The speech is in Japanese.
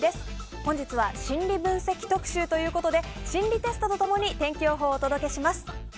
本日は心理分析特集ということで心理テストと共に天気予報をお届けします。